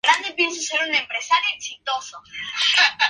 Son reptiles nocturnos y arbóreos.